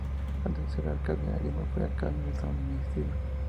Antes de ser alcalde de Lima fue alcalde de San Isidro.